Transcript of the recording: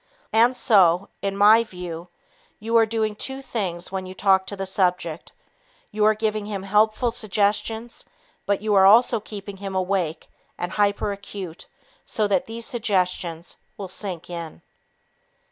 And so, in my view, you are doing two things when you talk to the subject; you are giving him helpful suggestions, but you are also keeping him awake and hyperacute so that these suggestions will sink in.